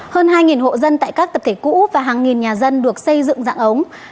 hơn hai hộ dân tại các tập thể cũ và hàng nghìn nhà dân được xây dựng dạng ống